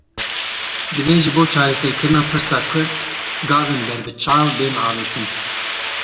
Divê ji bo çareserkirina pirsa Kurd gavên berbiçav bên avêtin.